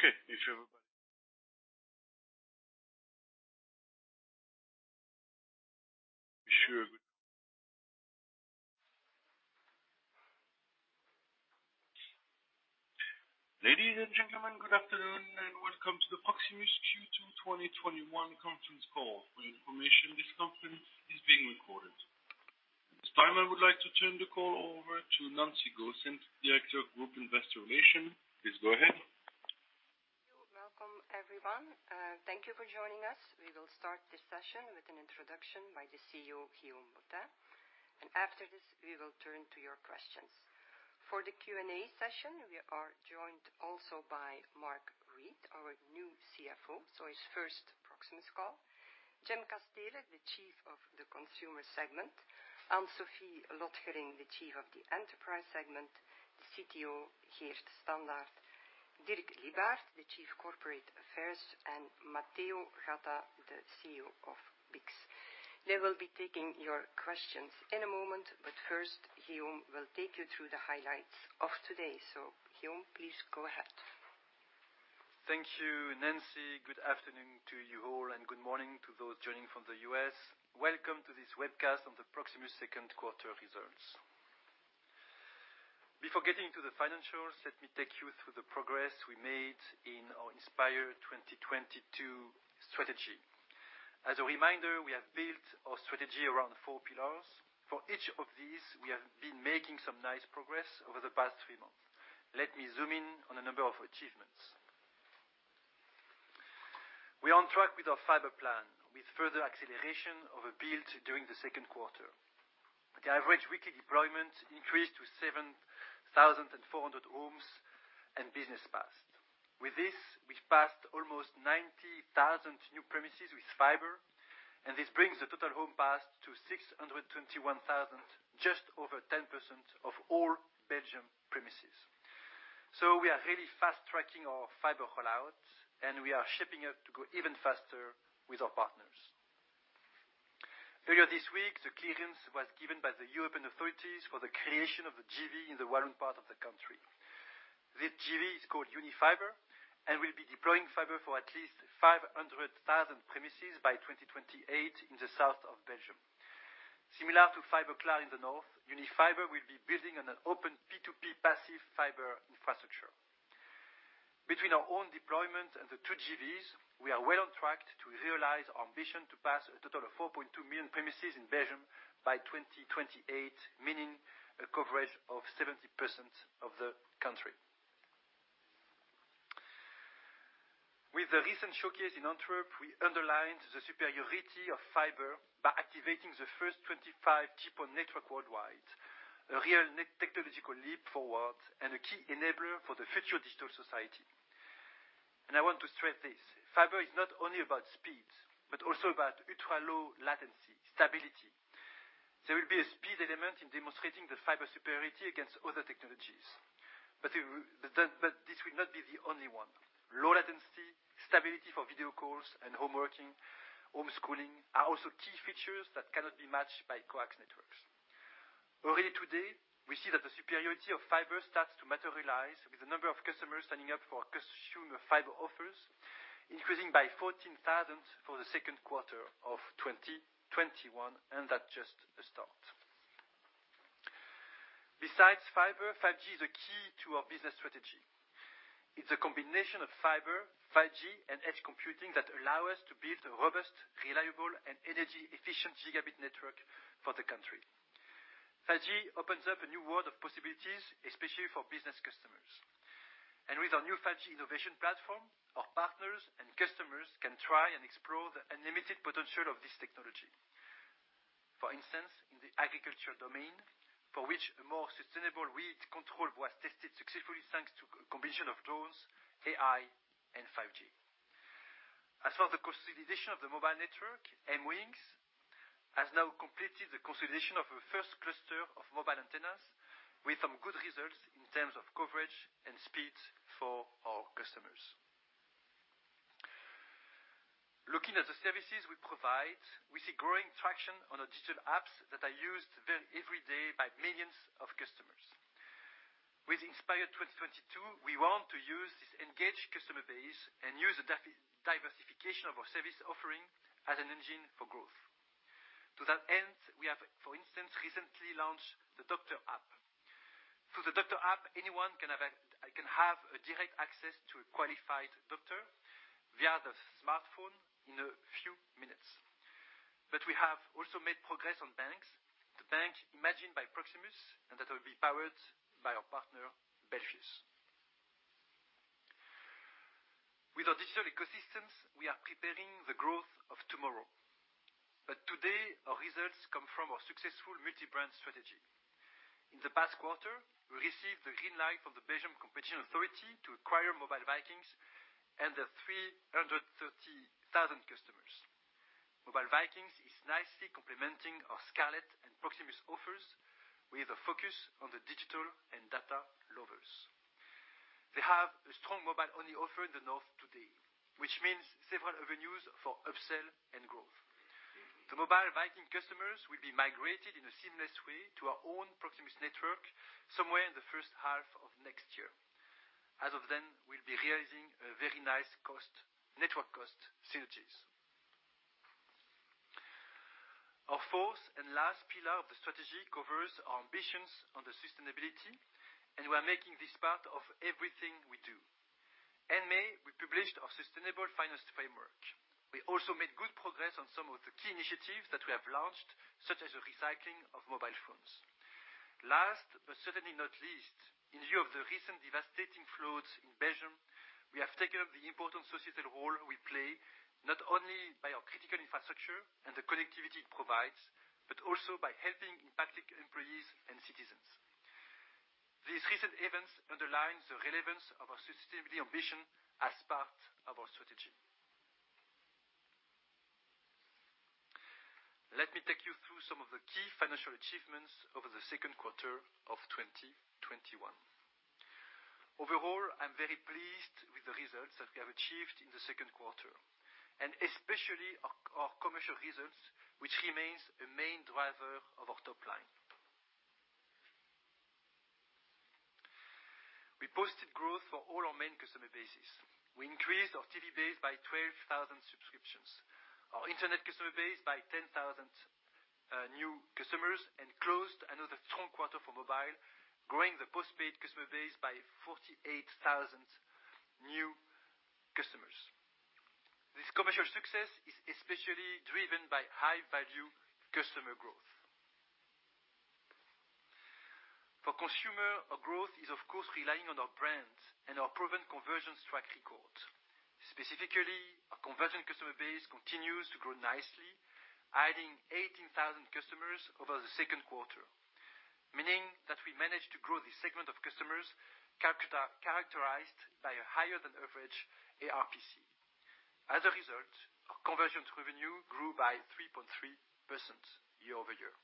Okay. Thanks everybody. Ladies and gentlemen, good afternoon, welcome to the Proximus Q2 2021 conference call. For your information, this conference is being recorded. At this time, I would like to turn the call over to Nancy Goossens, Director of Group Investor Relations. Please go ahead. Thank you. Welcome, everyone. Thank you for joining us. We will start this session with an introduction by the CEO, Guillaume Boutin. After this, we will turn to your questions. For the Q&A session, we are joined also by Mark Reid, our new CFO, so his first Proximus call. Jim Casteele, the Chief of the Consumer Segment. Anne-Sophie Lotgering, the Chief of the Enterprise Segment. The CTO, Geert Standaert. Dirk Lybaert, the Chief Corporate Affairs, and Matteo Gatta, the CEO of BICS. They will be taking your questions in a moment, but first, Guillaume will take you through the highlights of today. Guillaume, please go ahead. Thank you, Nancy. Good afternoon to you all, and good morning to those joining from the U.S. Welcome to this webcast on the Proximus Q2 results. Before getting to the financials, let me take you through the progress we made in our #inspire2022 strategy. As a reminder, we have built our strategy around four pillars. For each of these, we have been making some nice progress over the past three months. Let me zoom in on a number of achievements. We're on track with our fiber plan, with further acceleration of a build during the Q2. The average weekly deployment increased to 7,400 homes and business passed. With this, we've passed almost 90,000 new premises with fiber, and this brings the total home passed to 621,000, just over 10% of all Belgium premises. We are really fast-tracking our fiber rollout, and we are shaping up to go even faster with our partners. Earlier this week, the clearance was given by the European authorities for the creation of the JV in the Walloon part of the country. This JV is called Unifiber and will be deploying fiber for at least 500,000 premises by 2028 in the south of Belgium. Similar to Fiberklaar in the north, Unifiber will be building on an open P2P passive fiber infrastructure. Between our own deployment and the two JVs, we are well on track to realize our ambition to pass a total of 4.2 million premises in Belgium by 2028, meaning a coverage of 70% of the country. With the recent showcase in Antwerp, we underlined the superiority of fiber by activating the first 25G PON network worldwide, a real technological leap forward and a key enabler for the future digital society. I want to stress this, fiber is not only about speed, but also about ultra-low latency stability. There will be a speed element in demonstrating the fiber superiority against other technologies. This will not be the only one. Low latency, stability for video calls and home working, homeschooling, are also key features that cannot be matched by coax networks. Already today, we see that the superiority of fiber starts to materialize with the number of customers signing up for consumer fiber offers, increasing by 14,000 for the Q2 of 2021, that's just a start. Besides fiber, 5G is a key to our business strategy. It's a combination of fiber, 5G, and edge computing that allow us to build a robust, reliable, and energy-efficient gigabit network for the country. 5G opens up a new world of possibilities, especially for business customers. With our new 5G innovation platform, our partners and customers can try and explore the unlimited potential of this technology. For instance, in the agriculture domain, for which a more sustainable weed control was tested successfully thanks to a combination of drones, AI, and 5G. For the consolidation of the mobile network, MWingz has now completed the consolidation of a 1st cluster of mobile antennas with some good results in terms of coverage and speed for our customers. Looking at the services we provide, we see growing traction on our digital apps that are used every day by millions of customers. With Inspire 2022, we want to use this engaged customer base and use the diversification of our service offering as an engine for growth. To that end, we have, for instance, recently launched the Doktr app. Through the Doktr app, anyone can have a direct access to a qualified doctor via the smartphone in a few minutes. We have also made progress on Banx. The bank imagined by Proximus, and that will be powered by our partner, Belfius. With our digital ecosystems, we are preparing the growth of tomorrow. Today, our results come from our successful multi-brand strategy. In the past quarter, we received the green light from the Belgian Competition Authority to acquire Mobile Vikings and their 330,000 customers. Mobile Vikings is nicely complementing our Scarlet and Proximus offers with a focus on the digital and data lovers. They have a strong mobile-only offer in the north today, which means several avenues for upsell and growth. The Mobile Vikings customers will be migrated in a seamless way to our own Proximus network somewhere in the H1 of next year. As of then, we'll be realizing very nice network cost synergies. Our fourth and last pillar of the strategy covers our ambitions on sustainability, and we are making this part of everything we do. In May, we published our sustainable finance framework. We also made good progress on some of the key initiatives that we have launched, such as the recycling of mobile phones. Last, but certainly not least, in view of the recent devastating floods in Belgium, we have taken up the important societal role we play, not only by our critical infrastructure and the connectivity it provides, but also by helping impacted employees and citizens. These recent events underline the relevance of our sustainability ambition as part of our strategy. Let me take you through some of the key financial achievements over the Q2 of 2021. Overall, I'm very pleased with the results that we have achieved in the Q2, and especially our commercial results, which remains a main driver of our top line. We posted growth for all our main customer bases. We increased our TV base by 12,000 subscriptions, our internet customer base by 10,000 new customers, and closed another strong quarter for mobile, growing the postpaid customer base by 48,000 new customers. This commercial success is especially driven by high-value customer growth. For consumer, our growth is, of course, relying on our brands and our proven convergence track record. Specifically, our convergence customer base continues to grow nicely, adding 18,000 customers over the Q2, meaning that we managed to grow this segment of customers characterized by a higher-than-average ARPC. As a result, our convergence revenue grew by 3.3% year-over-year.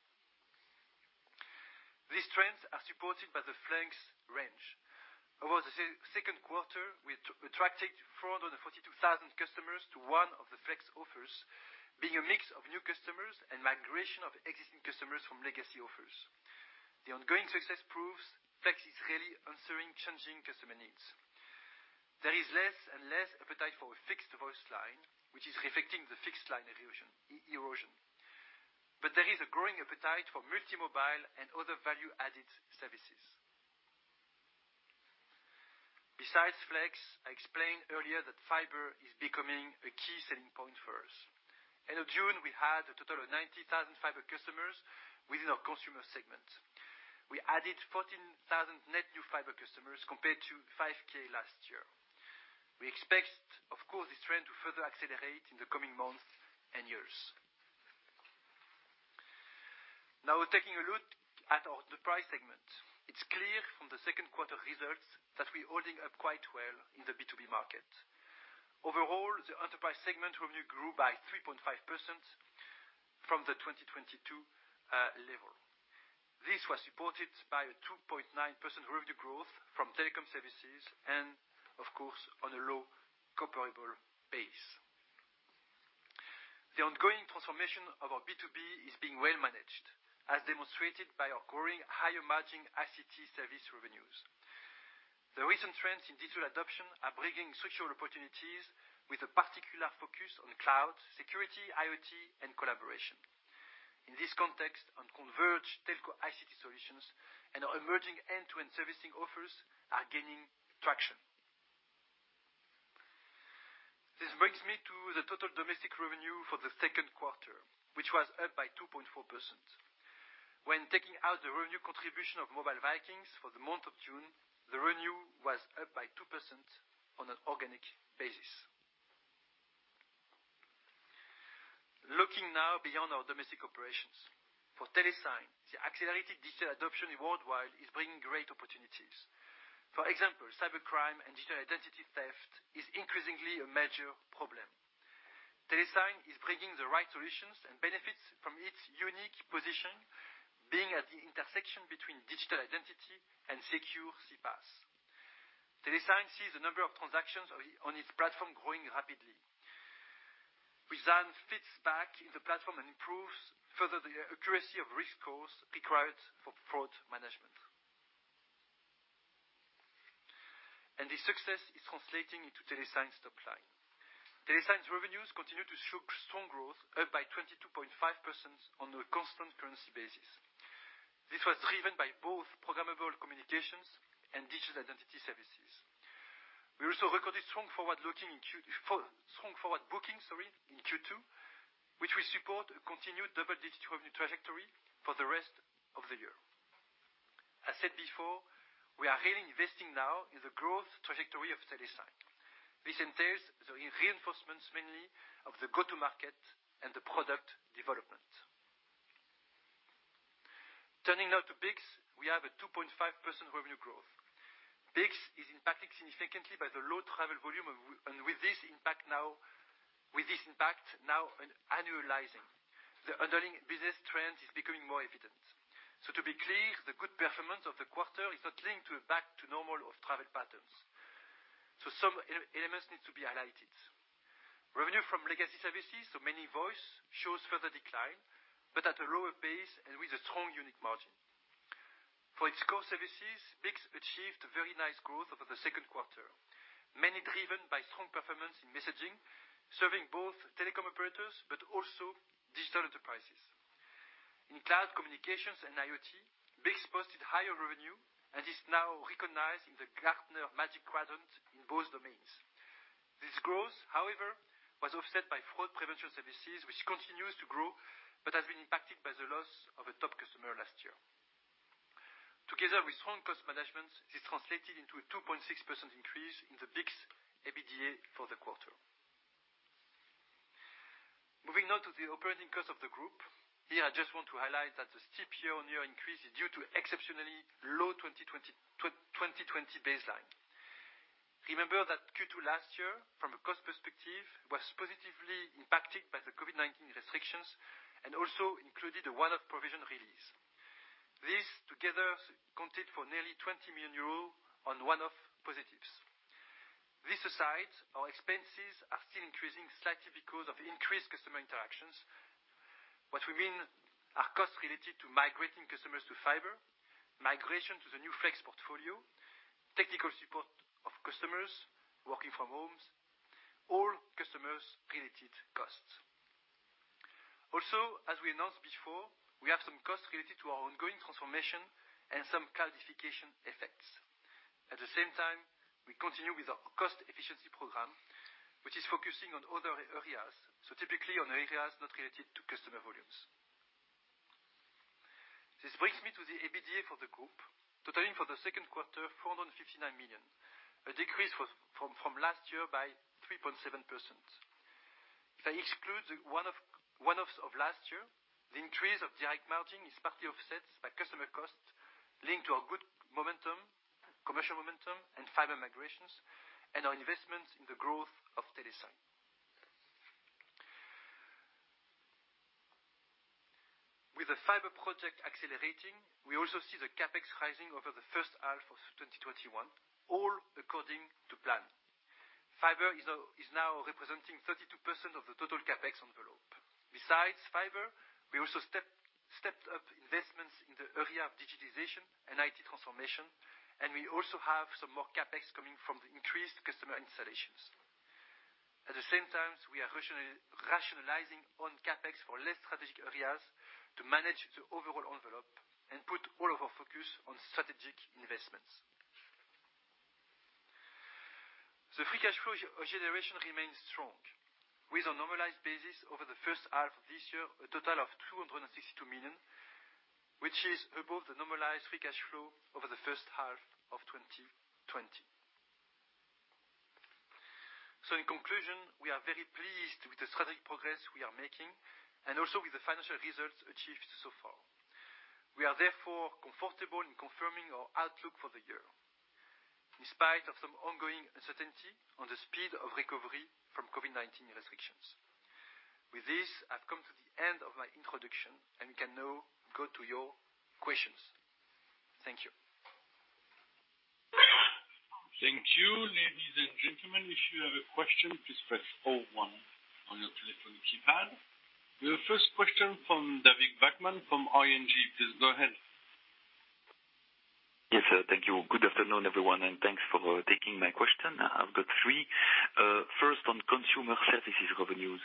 These trends are supported by the Flex range. Over the Q2, we attracted 442,000 customers to one of the Flex offers, being a mix of new customers and migration of existing customers from legacy offers. The ongoing success proves Flex is really answering changing customer needs. There is less and less appetite for a fixed voice line, which is reflecting the fixed line erosion. There is a growing appetite for multi-mobile and other value-added services. Besides Flex, I explained earlier that fiber is becoming a key selling point for us. End of June, we had a total of 90,000 fiber customers within our consumer segment. We added 14,000 net new fiber customers compared to 5,000 last year. We expect, of course, this trend to further accelerate in the coming months and years. Now, taking a look at the price segment. It's clear from the Q2 results that we're holding up quite well in the B2B market. Overall, the enterprise segment revenue grew by 3.5% from the 2022 level. This was supported by a 2.9% revenue growth from telecom services, and of course, on a low comparable base. The ongoing transformation of our B2B is being well managed, as demonstrated by our growing higher margin ICT service revenues. The recent trends in digital adoption are bringing social opportunities with a particular focus on cloud, security, IoT, and collaboration. In this context, our converged telco ICT solutions and our emerging end-to-end servicing offers are gaining traction. This brings me to the total domestic revenue for the Q2, which was up by 2.4%. When taking out the revenue contribution of Mobile Vikings for the month of June, the revenue was up by 2% on an organic basis. Looking now beyond our domestic operations. For Telesign, the accelerated digital adoption worldwide is bringing great opportunities. For example, cybercrime and digital identity theft is increasingly a major problem. Telesign is bringing the right solutions and benefits from its unique position, being at the intersection between digital identity and secure CPaaS. Telesign sees the number of transactions on its platform growing rapidly, which then feeds back in the platform and improves further the accuracy of risk scores required for fraud management. This success is translating into Telesign's top line. Telesign's revenues continue to show strong growth, up by 22.5% on a constant currency basis. This was driven by both programmable communications and digital identity services. We also recorded strong forward bookings in Q2, which will support a continued double-digit revenue trajectory for the rest of the year. Said before, we are really investing now in the growth trajectory of Telesign. This entails the reinforcements mainly of the go-to-market and the product development. Turning now to BICS, we have a 2.5% revenue growth. BICS is impacted significantly by the low travel volume and with this impact now annualizing. The underlying business trend is becoming more evident. To be clear, the good performance of the quarter is not linked to a back to normal of travel patterns. Some elements need to be highlighted. Revenue from legacy services, so mainly voice, shows further decline, but at a lower pace and with a strong unit margin. For its core services, BICS achieved very nice growth over the Q2, mainly driven by strong performance in messaging, serving both telecom operators but also digital enterprises. In cloud communications and IoT, BICS posted higher revenue and is now recognized in the Gartner Magic Quadrant in both domains. This growth, however, was offset by fraud prevention services, which continues to grow but has been impacted by the loss of a top customer last year. Together with strong cost management, this translated into a 2.6% increase in the BICS EBITDA for the quarter. Moving now to the operating cost of the group. Here, I just want to highlight that the steep year-on-year increase is due to exceptionally low 2020 baseline. Remember that Q2 last year, from a cost perspective, was positively impacted by the COVID-19 restrictions and also included a one-off provision release. These together accounted for nearly 20 million euros on one-off positives. This aside, our expenses are still increasing slightly because of increased customer interactions. What we mean are costs related to migrating customers to fiber, migration to the new Flex portfolio, technical support of customers working from homes, all customers-related costs. Also, as we announced before, we have some costs related to our ongoing transformation and some cannibalisation effects. At the same time, we continue with our cost efficiency program, which is focusing on other areas, typically on areas not related to customer volumes. This brings me to the EBITDA for the group, totaling for the Q2 459 million, a decrease from last year by 3.7%. If I exclude the one-offs of last year, the increase of direct margin is partly offset by customer costs linked to our good commercial momentum and Fiber migrations and our investments in the growth of Telesign. With the Fiber project accelerating, we also see the CapEx rising over the H1 of 2021, all according to plan. Fiber is now representing 32% of the total CapEx envelope. Besides Fiber, we also stepped up investments in the area of digitization and IT transformation. We also have some more CapEx coming from the increased customer installations. At the same time, we are rationalizing on CapEx for less strategic areas to manage the overall envelope and put all of our focus on strategic investments. The free cash flow generation remains strong. With a normalized basis over the H1 of this year, a total of 262 million, which is above the normalized free cash flow over the H1 of 2020. In conclusion, we are very pleased with the strategic progress we are making and also with the financial results achieved so far. We are therefore comfortable in confirming our outlook for the year, in spite of some ongoing uncertainty on the speed of recovery from COVID-19 restrictions. With this, I have come to the end of my introduction, and we can now go to your questions. Thank you. Thank you. Ladies and gentlemen, if you have a question please press four one on your telephone keypad. Your first question from David Vagman from ING. Please go ahead. Yes, sir. Thank you. Good afternoon, everyone, and thanks for taking my question. I've got three. First, on consumer services revenues.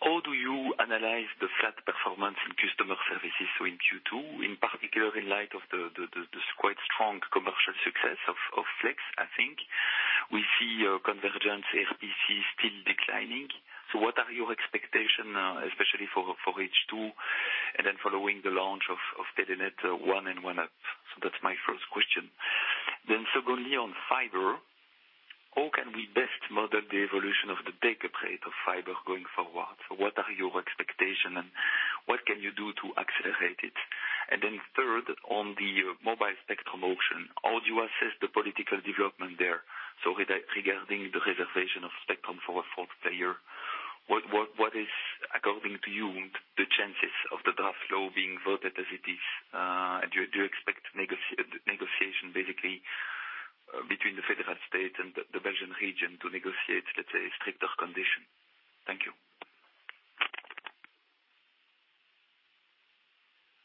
How do you analyze the flat performance in customer services in Q2, in particular, in light of the quite strong commercial success of Flex, I think? We see convergence RPC still declining. What are your expectation, especially for H2, and then following the launch of Telenet ONE & ONEup? That's my first question. Secondly on fiber, how can we best model the evolution of the take-up rate of fiber going forward? What are your expectation, and what can you do to accelerate it? Third, on the mobile spectrum auction, how do you assess the political development there? Regarding the reservation of spectrum for a fourth player, what is, according to you, the chances of the draft law being voted as it is? Do you expect negotiation basically between the federal state and the Belgian region to negotiate, let's say, stricter condition? Thank you.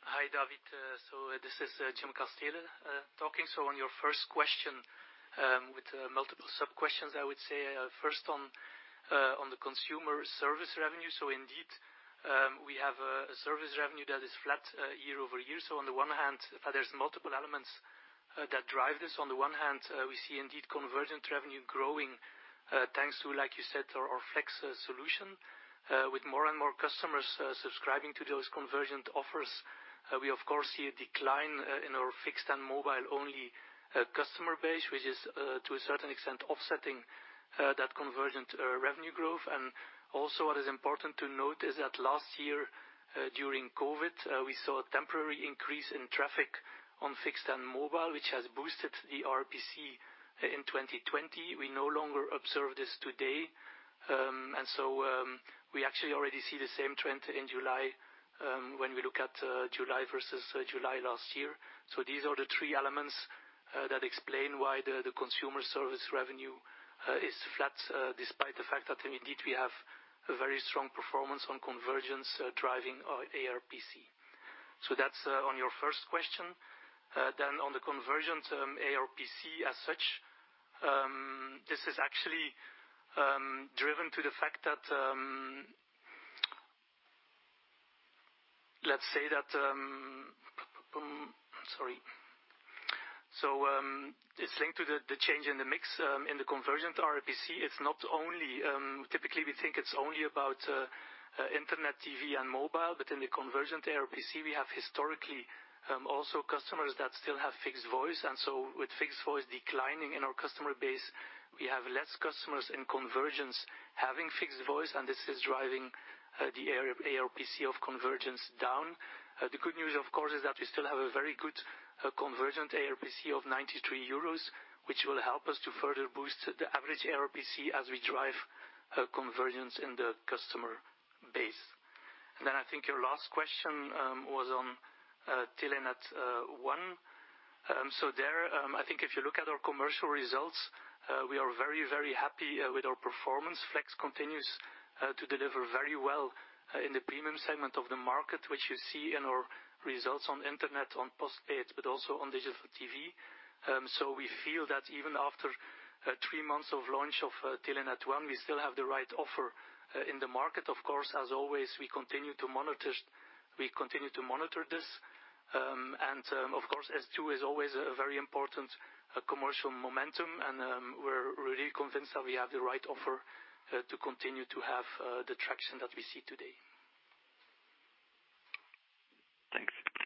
Hi, David. This is Jim Casteele talking. On your first question, with multiple sub-questions, I would say first on the consumer service revenue. Indeed, we have a service revenue that is flat YoY. On the one hand, there's multiple elements that drive this. On the one hand, we see indeed convergent revenue growing thanks to, like you said, our Flex solution. With more and more customers subscribing to those convergent offers, we of course see a decline in our fixed and mobile-only customer base, which is to a certain extent offsetting that convergent revenue growth. And also what is important to note is that last year during COVID-19, we saw a temporary increase in traffic on fixed and mobile, which has boosted the RPC in 2020. We no longer observe this today. We actually already see the same trend in July when we look at July versus July last year. These are the three elements that explain why the consumer service revenue is flat, despite the fact that indeed we have a very strong performance on convergence driving our ARPC. That's on your first question. On the convergence ARPC as such, this is actually driven to the fact that it's linked to the change in the mix in the convergent ARPC. Typically, we think it's only about internet, TV, and mobile, but in the convergent ARPC, we have historically also customers that still have fixed voice. With fixed voice declining in our customer base, we have less customers in convergence having fixed voice, and this is driving the ARPC of convergence down. The good news, of course, is that we still have a very good convergent ARPC of 93 euros, which will help us to further boost the average ARPC as we drive convergence in the customer base. I think your last question was on Telenet ONE. There, I think if you look at our commercial results, we are very happy with our performance. Flex continues to deliver very well in the premium segment of the market, which you see in our results on internet, on postpaid, but also on digital TV. We feel that even after three months of launch of Telenet ONE, we still have the right offer in the market. Of course, as always, we continue to monitor this. Of course, S2 is always a very important commercial momentum, and we're really convinced that we have the right offer to continue to have the traction that we see today.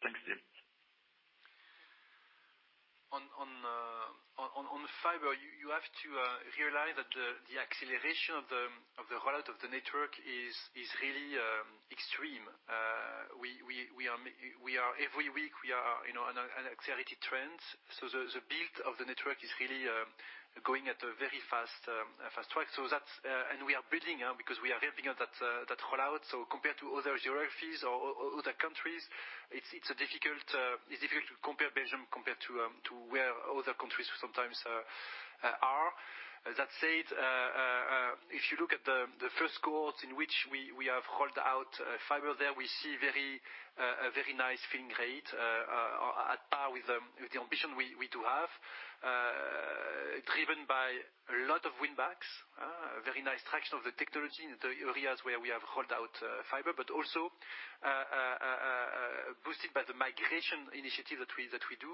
Thanks, Jim. On fiber, you have to realize that the acceleration of the rollout of the network is really extreme. Every week we are on an accelerated trend. The build of the network is really going at a very fast track. We are building because we are helping on that rollout. Compared to other geographies or other countries, it's difficult to compare Belgium compared to where other countries sometimes are. That said, if you look at the Q1 in which we have rolled out fiber there, we see a very nice fill rate at par with the ambition we do have, driven by a lot of win backs, a very nice traction of the technology in the areas where we have rolled out fiber, but also boosted by the migration initiative that we do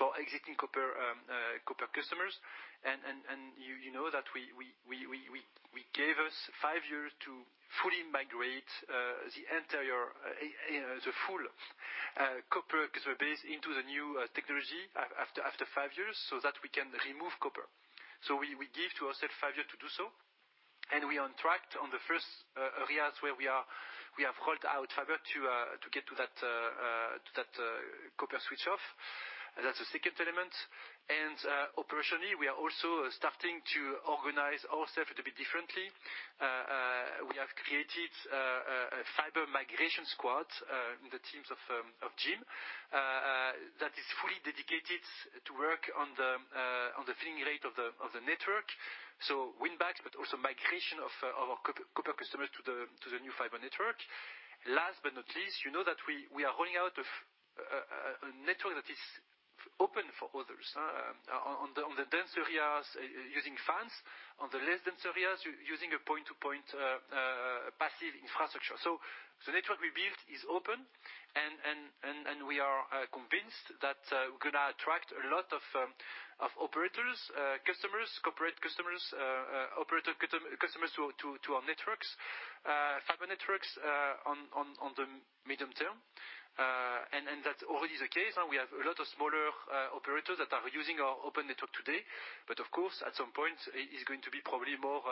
for exiting copper customers. You know that we gave us five years to fully migrate the full copper customer base into the new technology after five years, so that we can remove copper. We give to ourselves five years to do so, and we are on track on the first areas where we have rolled out fiber to get to that copper switch off. That's the second element. Operationally, we are also starting to organize ourselves a little bit differently. We have created a fiber migration squad in the teams of Jim, that is fully dedicated to work on the filling rate of the network. Win backs, but also migration of our copper customers to the new fiber network. Last but not least, you know that we are rolling out a network that is open for others. On the dense areas using VANS, on the less dense areas using a point-to-point passive infrastructure. The network we built is open, and we are convinced that we're going to attract a lot of operators, customers, corporate customers, operator customers to our networks, fiber networks on the medium term. That already is the case. We have a lot of smaller operators that are using our open network today. Of course, at some point, it is going to be probably more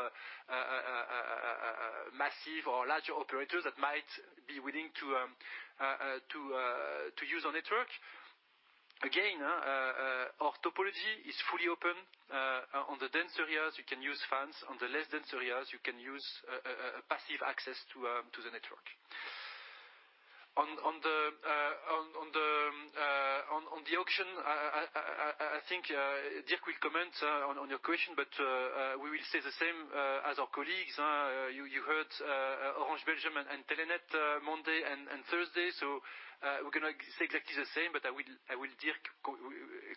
massive or larger operators that might be willing to use our network. Again, our topology is fully open. On the dense areas, you can use VANS. On the less dense areas, you can use passive access to the network. On the auction, I think Dirk Lybaert will comment on your question, but we will say the same as our colleagues. You heard Orange Belgium and Telenet, Monday and Thursday. We're going to say exactly the same, but Dirk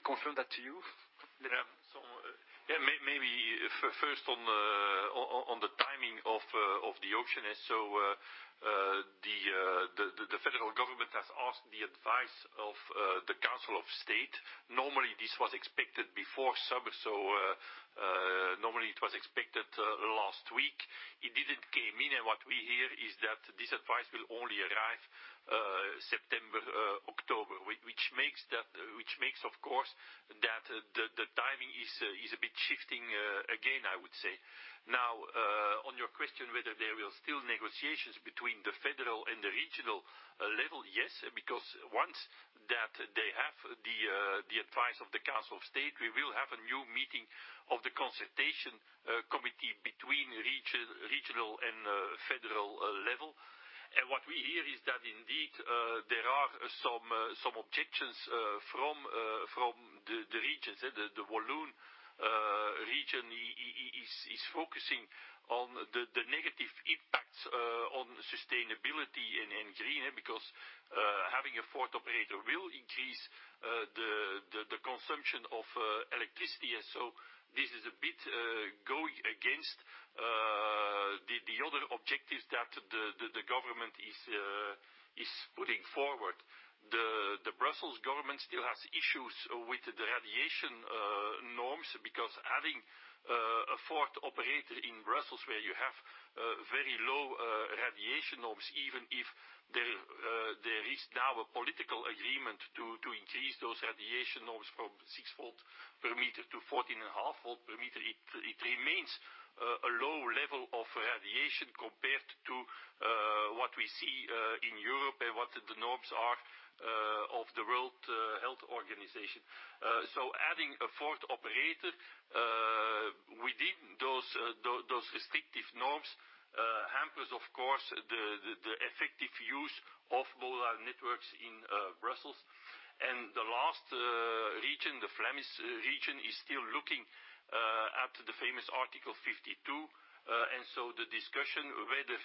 confirm that to you. Yeah, maybe first on the timing of the auction. The federal government has asked the advice of the Council of State. Normally, this was expected before summer, normally it was expected last week. It didn't came in, what we hear is that this advice will only arrive September, October. Which makes, of course, that the timing is a bit shifting, again, I would say. Now, on your question whether there will still negotiations between the federal and the regional level. Yes, because once that they have the advice of the Council of State, we will have a new meeting of the consultation committee between regional and federal level. What we hear is that indeed, there are some objections from the regions. The Walloon region is focusing on the negative impacts on sustainability and green, because having a fourth operator will increase the consumption of electricity. This is a bit going against the other objectives that the government is putting forward. The Brussels government still has issues with the radiation norms because adding a fourth operator in Brussels, where you have very low radiation norms, even if there is now a political agreement to increase those radiation norms from 6 V per meter to 14.5 V per meter. It remains a low level of radiation compared to what we see in Europe and what the norms are of the World Health Organization. Adding a fourth operator within those restrictive norms hampers, of course, the effective use of mobile networks in Brussels. The last region, the Flemish region, is still looking at the famous Article 52. The discussion whether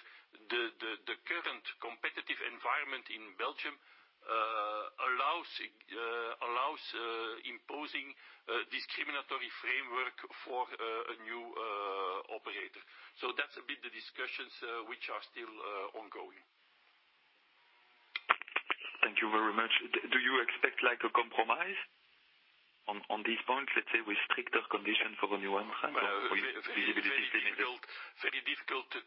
the current competitive environment in Belgium allows imposing a discriminatory framework for a new operator. That's a bit the discussions which are still ongoing. Thank you very much. Do you expect a compromise on this point, let's say, with stricter conditions for the new entrants? Very difficult to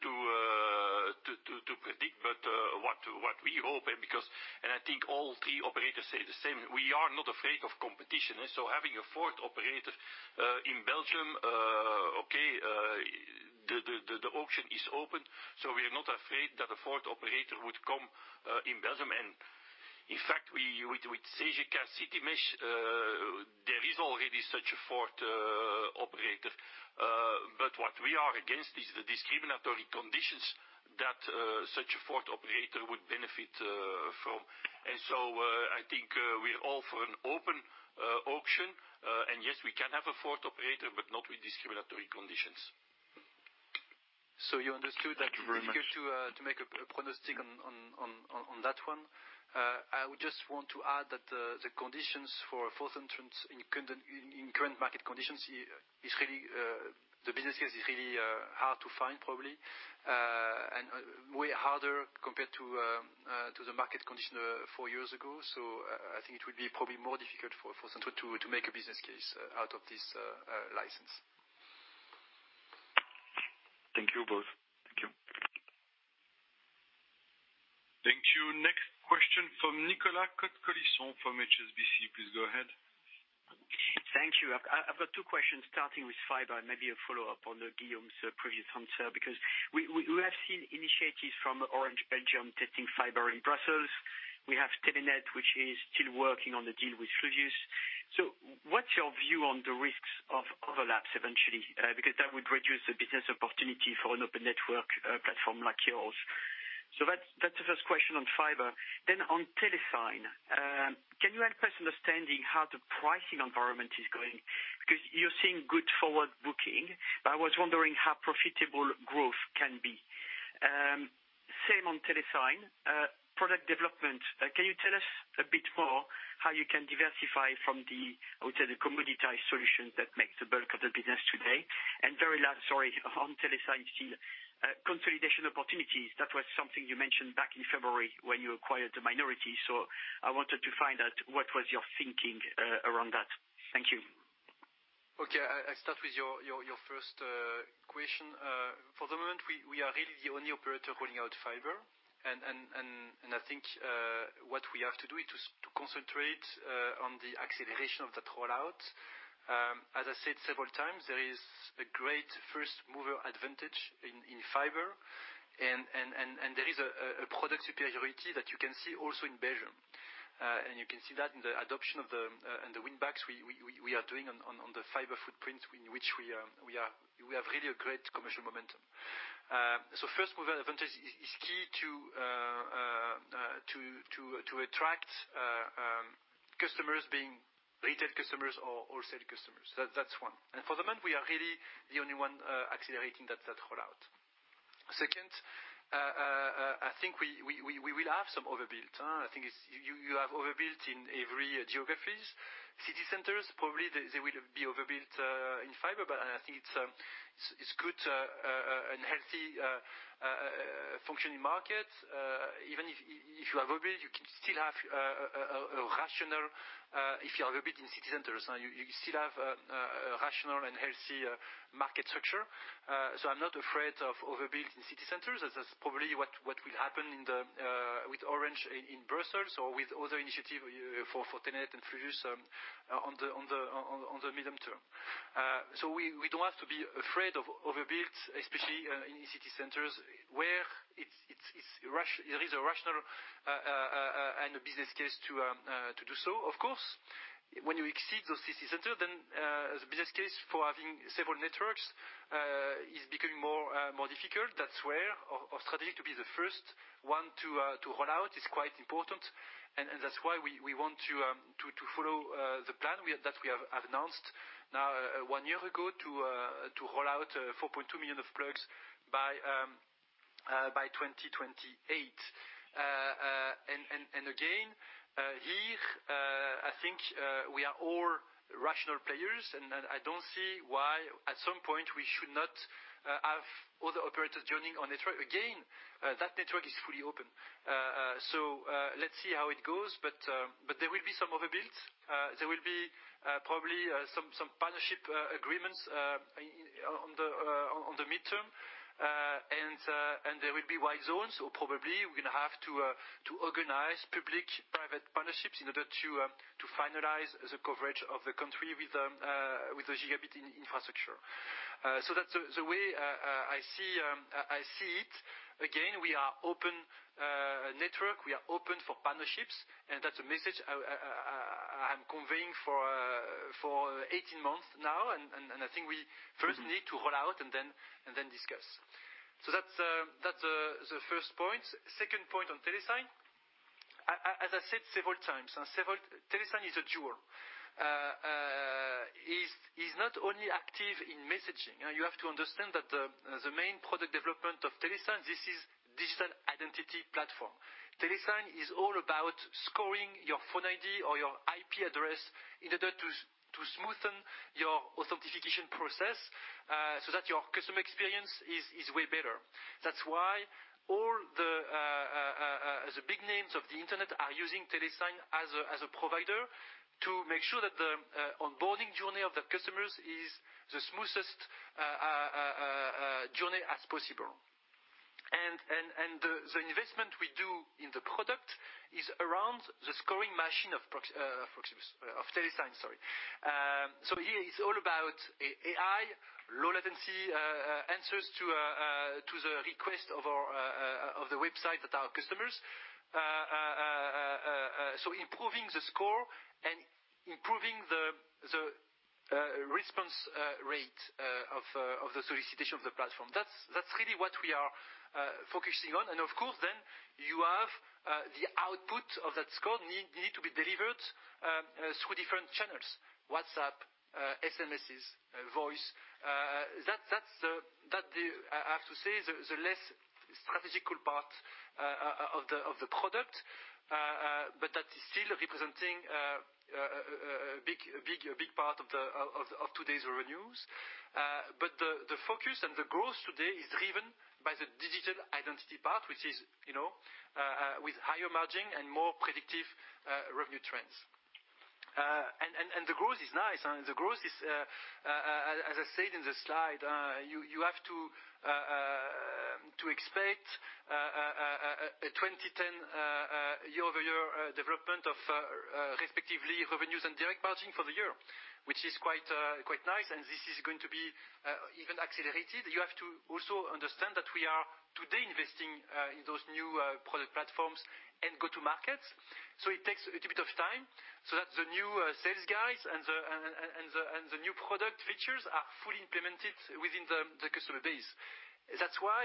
predict, what we hope, and I think all three operators say the same, we are not afraid of competition. Having a fourth operator in Belgium, okay, the auction is open, so we are not afraid that a fourth operator would come in Belgium. In fact, with Cegeka Citymesh, there is already such a fourth operator. What we are against is the discriminatory conditions that such a fourth operator would benefit from. I think we're all for an open auction. Yes, we can have a fourth operator, but not with discriminatory conditions. Thank you very much. You understood that difficult to make a prognostic on that one. I would just want to add that the conditions for a fourth entrance in current market conditions, the business case is really hard to find, probably, and way harder compared to the market condition four years ago. I think it would be probably more difficult for Centro to make a business case out of this license. Thank you both. Thank you. Thank you. Next question from Nicolas Cote-Colisson from HSBC. Please go ahead. Thank you. I've got two questions, starting with fiber and maybe a follow-up on Guillaume's previous answer, because we have seen initiatives from Orange Belgium testing fiber in Brussels. We have Telenet, which is still working on the deal with Fluvius. What's your view on the risks of overlaps eventually? Because that would reduce the business opportunity for an open network platform like yours. That's the first question on fiber. On Telesign, can you help us understanding how the pricing environment is going? Because you're seeing good forward booking, but I was wondering how profitable growth can be. Same on Telesign, product development. Can you tell us a bit more how you can diversify from the, I would say, the commoditized solutions that make the bulk of the business today. Very last, sorry, on Telesign still. Consolidation opportunities. That was something you mentioned back in February when you acquired the minority. I wanted to find out what was your thinking around that. Thank you. Okay. I start with your first question. For the moment, we are really the only operator rolling out fiber. I think, what we have to do is to concentrate on the acceleration of that rollout. As I said several times, there is a great first-mover advantage in fiber, and there is a product superiority that you can see also in Belgium. You can see that in the adoption of the win backs we are doing on the fiber footprint in which we have really a great commercial momentum. First-mover advantage is key to attract customers, being retail customers or wholesale customers. That's one. For the moment, we are really the only one accelerating that rollout. Second, I think we will have some overbuild. I think you have overbuild in every geographies. City centers, probably, they will be overbuilt in fiber, but I think it's good and healthy functioning market. Even if you have overbuild, you can still have a rational and healthy market structure. If you have overbuild in city centers, you still have a rational and healthy market structure. I'm not afraid of overbuild in city centers. That's probably what will happen with Orange in Brussels or with other initiatives for Telenet and Fluvius on the medium term. We don't have to be afraid of overbuild, especially in city centers where there is a rational and a business case to do so. Of course, when you exceed those city centers, then the business case for having several networks is difficult. That's where our strategy to be the first one to roll out is quite important, that's why we want to follow the plan that we have announced now one year ago to roll out 4.2 million of plugs by 2028. Again, here, I think we are all rational players, and I don't see why at some point we should not have other operators joining our network. Again, that network is fully open. Let's see how it goes. There will be some overbuild. There will be probably some partnership agreements on the midterm. There will be white zones or probably we're going to have to organize public-private partnerships in order to finalize the coverage of the country with the gigabit infrastructure. That's the way I see it. Again, we are open network. We are open for partnerships, and that's a message I'm conveying for 18 months now. I think we first need to roll out and then discuss. That's the first point. Second point on Telesign. As I said several times, Telesign is a jewel. It is not only active in messaging. You have to understand that the main product development of Telesign, this is digital identity platform. Telesign is all about scoring your phone ID or your IP address in order to smoothen your authentication process, so that your customer experience is way better. That's why all the big names of the internet are using Telesign as a provider to make sure that the onboarding journey of the customers is the smoothest journey as possible. The investment we do in the product is around the scoring machine of Telesign, sorry. Here it's all about AI, low latency answers to the request of the website that our customers. Improving the score and improving the response rate of the solicitation of the platform. That's really what we are focusing on. Of course you have the output of that score need to be delivered through different channels, WhatsApp, SMSs, voice. That, I have to say, is the less strategical part of the product. That is still representing a big part of today's revenues. The focus and the growth today is driven by the digital identity part, which is with higher margin and more predictive revenue trends. The growth is nice. The growth is, as I said in the slide, you have to expect a 2-10 year-over-year development of respectively revenues and direct margin for the year, which is quite nice. This is going to be even accelerated. You have to also understand that we are today investing in those new product platforms and go-to-markets. It takes a little bit of time so that the new sales guys and the new product features are fully implemented within the customer base. That's why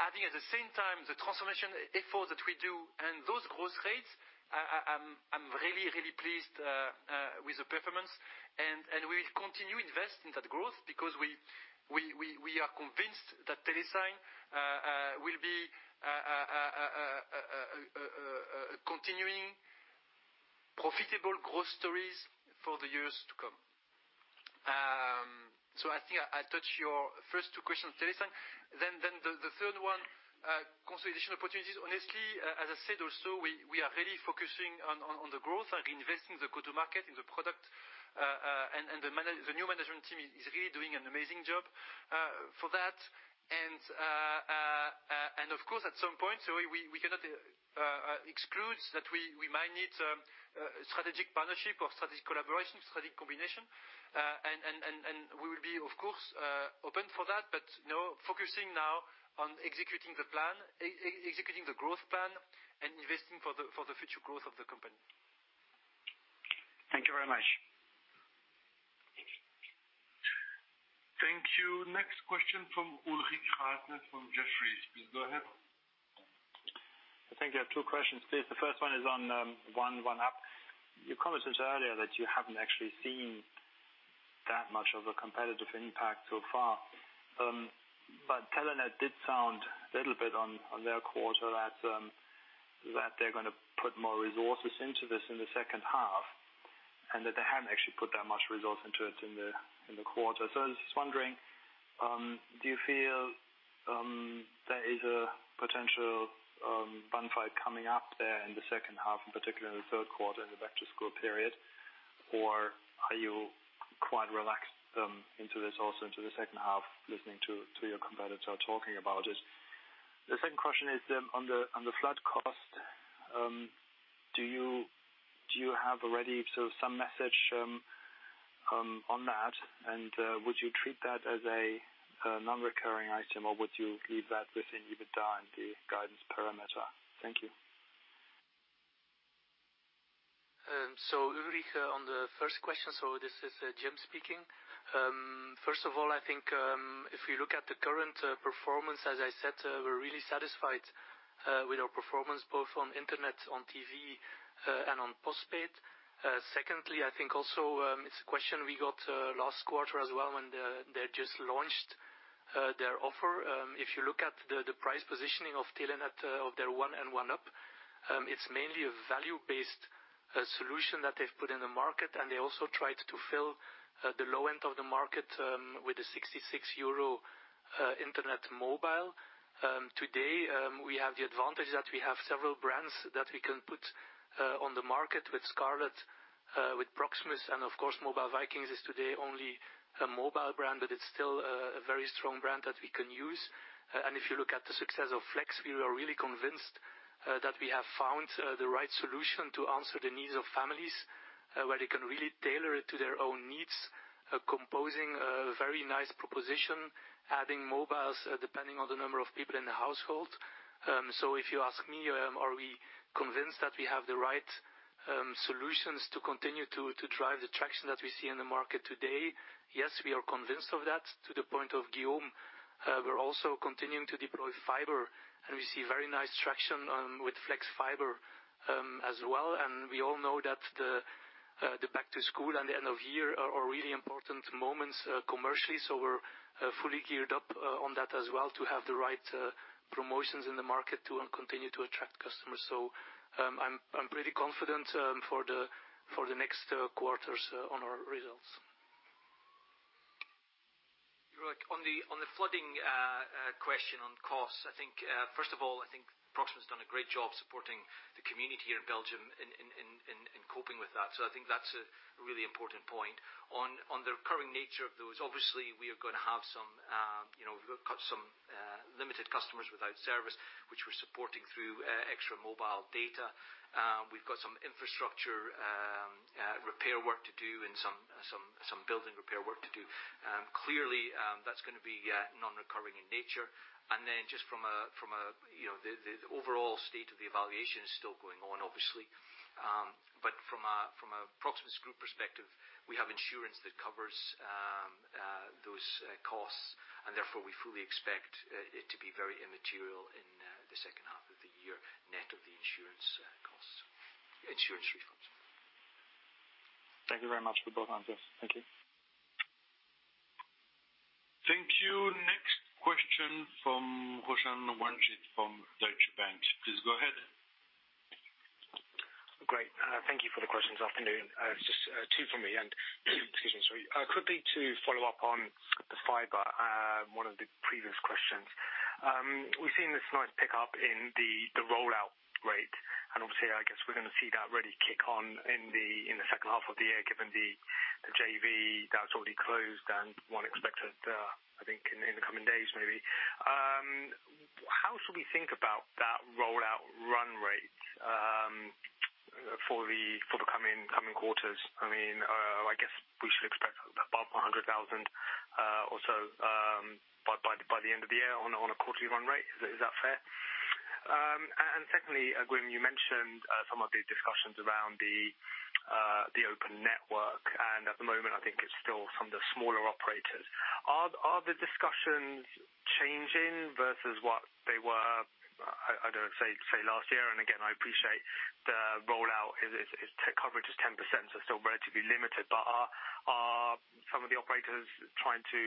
adding at the same time the transformation effort that we do and those growth rates, I'm really pleased with the performance and we will continue invest in that growth because we are convinced that Telesign will be continuing profitable growth stories for the years to come. I think I touched your first two questions on Telesign. The third one, consolidation opportunities. Honestly, as I said also, we are really focusing on the growth and reinvesting the go-to-market in the product. The new management team is really doing an amazing job for that. Of course, at some point, so we cannot exclude that we might need strategic partnership or strategic collaboration, strategic combination. We will be, of course, open for that. No, focusing now on executing the plan, executing the growth plan and investing for the future growth of the company. Thank you very much. Thank you. Next question from Ulrich Rathe from Jefferies. Please go ahead. I think I have two questions, please. The first one is on ONEup. You commented earlier that you haven't actually seen that much of a competitive impact so far. Telenet did sound a little bit on their quarter that they're going to put more resources into this in the H2, and that they haven't actually put that much resource into it in the quarter. I was just wondering, do you feel there is a potential bun fight coming up there in the H2, in particular in the Q3 in the back-to-school period? Are you quite relaxed into this also into the H2, listening to your competitor talking about it? The second question is on the flood cost. Do you have already some message on that? Would you treat that as a non-recurring item, or would you leave that within EBITDA and the guidance parameter? Thank you. Ulrich, on the first question, this is Jim speaking. First of all, I think if we look at the current performance, as I said, we're really satisfied with our performance both on internet, on TV, and on postpaid. Secondly, I think also it's a question we got last quarter as well when they just launched their offer. If you look at the price positioning of Telenet, of their ONEup, it's mainly a value-based solution that they've put in the market, and they also tried to fill the low end of the market with a 66 euro internet mobile. Today, we have the advantage that we have several brands that we can put on the market with Scarlet, with Proximus, and of course Mobile Vikings is today only a mobile brand, but it's still a very strong brand that we can use. If you look at the success of Flex, we are really convinced that we have found the right solution to answer the needs of families, where they can really tailor it to their own needs, composing a very nice proposition, adding mobiles depending on the number of people in the household. If you ask me, are we convinced that we have the right solutions to continue to drive the traction that we see in the market today? Yes, we are convinced of that. To the point of Guillaume, we are also continuing to deploy fiber, and we see very nice traction with Flex Fiber as well, and we all know that the back to school and the end of year are really important moments commercially. We are fully geared up on that as well to have the right promotions in the market to continue to attract customers. I'm pretty confident for the next quarters on our results. Ulrich, on the flooding question on costs, first of all, I think Proximus has done a great job supporting the community here in Belgium in coping with that. I think that's a really important point. On the recurring nature of those, obviously, we've got some limited customers without service, which we're supporting through extra mobile data. We've got some infrastructure repair work to do and some building repair work to do. Clearly, that's going to be non-recurring in nature. Just the overall state of the evaluation is still going on, obviously. From a Proximus Group perspective, we have insurance that covers those costs, and therefore, we fully expect it to be very immaterial in the H2 of the year, net of the insurance costs, insurance refunds. Thank you very much for both answers. Thank you. Thank you. Next question from Roshan Ranjit from Deutsche Bank. Please go ahead. Great. Thank you for the questions this afternoon. Just two from me. Excuse me, sorry. Quickly to follow up on the fiber, one of the previous questions. We've seen this nice pickup in the rollout rate, and obviously, I guess we're going to see that really kick on in the H2 of the year, given the JV that's already closed and one expected, I think in the coming days maybe. How should we think about that rollout run rate for the coming quarters? I guess we should expect above 100,000 or so by the end of the year on a quarterly run rate. Is that fair? Secondly, Guillaume, you mentioned some of the discussions around the open network, and at the moment, I think it's still some of the smaller operators. Are the discussions changing versus what they were, say, last year? Again, I appreciate the rollout coverage is 10%, so still relatively limited. Are some of the operators trying to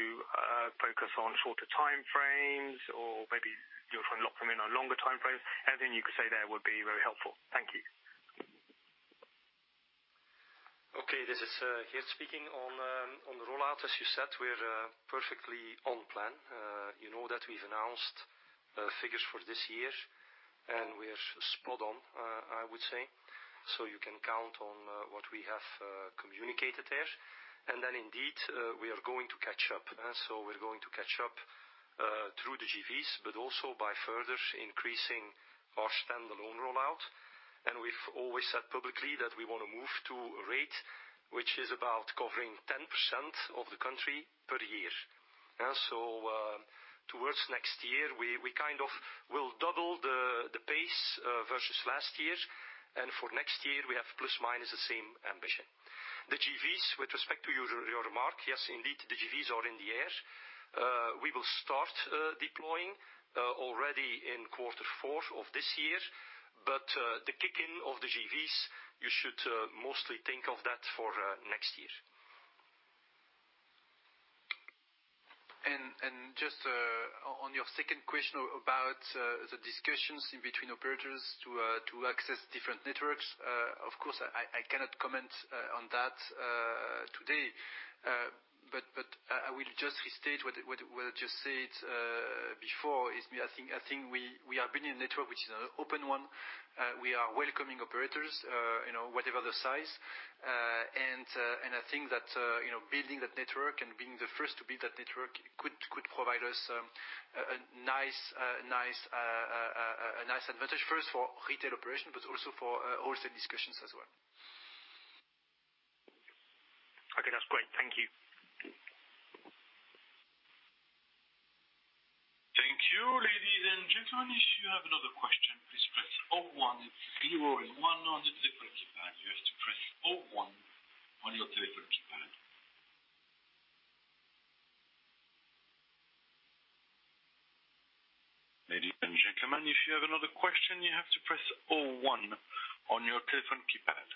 focus on shorter time frames, or maybe you're trying to lock them in on longer time frames? Anything you could say there would be very helpful. Thank you. Okay, this is Geert speaking. On the rollout, as you said, we're perfectly on plan. You know that we've announced figures for this year, and we're spot on, I would say. You can count on what we have communicated there. Indeed, we are going to catch up. We're going to catch up through the JVs, but also by further increasing our standalone rollout. We've always said publicly that we want to move to a rate which is about covering 10% of the country per year. Towards next year, we'll double the pace versus last year. For next year, we have ± the same ambition. The JVs, with respect to your remark, yes, indeed, the JVs are in the air. We will start deploying already in Q4 of this year. The kick-in of the JVs, you should mostly think of that for next year. Just on your second question about the discussions in between operators to access different networks. Of course, I cannot comment on that today. I will just restate what I just said before, is I think we are building a network which is an open one. We are welcoming operators, whatever the size. I think that building that network and being the first to build that network could provide us a nice advantage, first for retail operation, but also for wholesale discussions as well. Okay, that's great, thank you. Thank you ladies and gentlemen, you have another question please press four one. Zero is one on the telephone keypad. You have to press four one on your telephone keypad. Ladies and gentlemen, you have another question, you have to press four one on your telephone keypad.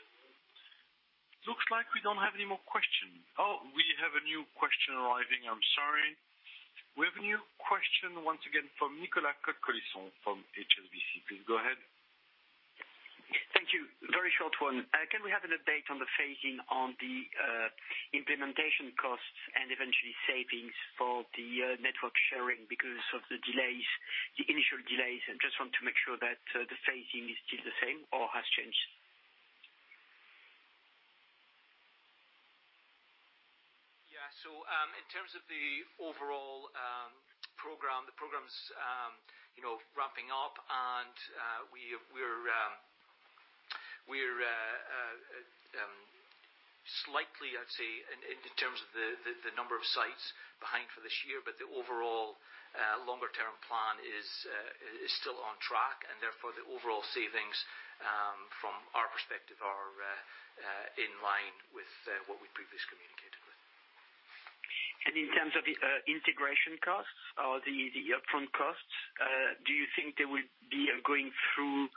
Looks like we don't have any more questions. Oh, we have a new question arriving. I'm sorry. We have a new question once again from Nicolas Cote-Colisson from HSBC. Please go ahead. Thank you. Very short one. Can we have an update on the phasing on the implementation costs and eventually savings for the network sharing because of the initial delays? I just want to make sure that the phasing is still the same or has changed. In terms of the overall program, the program's ramping up, and we're slightly, I'd say, in terms of the number of sites behind for this year, but the overall longer-term plan is still on track, and therefore, the overall savings from our perspective are in line with what we previously communicated. In terms of the integration costs or the upfront costs, do you think they will be going through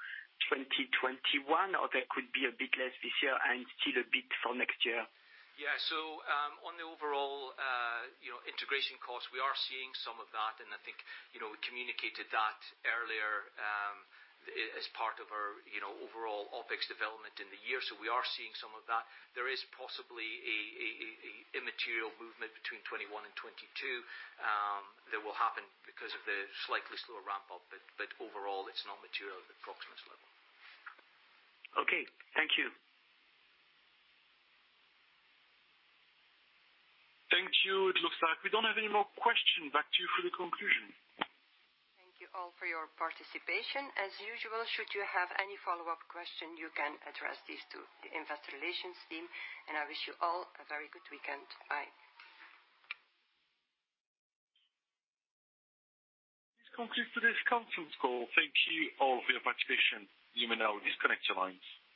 2021, or there could be a bit less this year and still a bit for next year? Yeah. On the overall integration cost, we are seeing some of that, and I think we communicated that earlier as part of our overall OpEx development in the year. We are seeing some of that. There is possibly an immaterial movement between 2021 and 2022 that will happen because of the slightly slower ramp up, but overall, it's not material at the Proximus level. Okay. Thank you. Thank you. It looks like we don't have any more questions. Back to you for the conclusion. Thank you all for your participation. As usual, should you have any follow-up questions, you can address these to the investor relations team. I wish you all a very good weekend. Bye. This concludes today's conference call. Thank you all for your participation. You may now disconnect your lines.